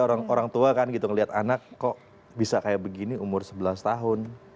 kita kaget gitu ya orang tua kan gitu ngelihat anak kok bisa kayak begini umur sebelas tahun